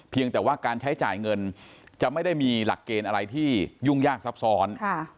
แต่ว่าการใช้จ่ายเงินจะไม่ได้มีหลักเกณฑ์อะไรที่ยุ่งยากซับซ้อน